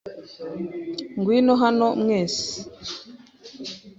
Ngwino hano, mwese.